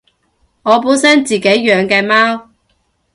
我自己本身養嘅貓